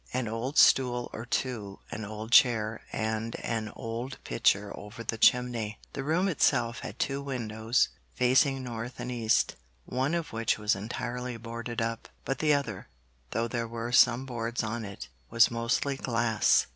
An old stool or two, an old chair and an old picture over the chimney. The room itself had two windows, facing north and east, one of which was entirely boarded up; but the other, though there were some boards on it, was mostly glass.